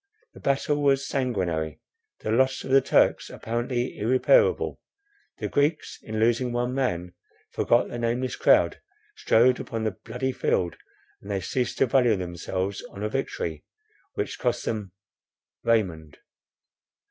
The battle was sanguinary, the loss of the Turks apparently irreparable; the Greeks, in losing one man, forgot the nameless crowd strewed upon the bloody field, and they ceased to value themselves on a victory, which cost them— Raymond.